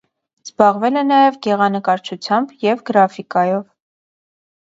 Զբաղվել է նաև գեղանկարչությամբ և գրաֆիկայով։